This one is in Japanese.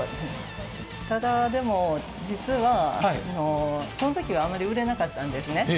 でも、実はそのときはあまり売れなかったんですね。